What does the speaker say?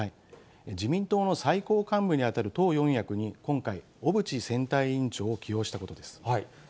自民党の最高幹部に当たる党四役に、今回、小渕選対委員長を起用したことです。